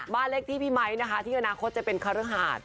บ้านเลขที่พี่มัยนะคะที่อนาคตจะเป็นคาเลอร์หาด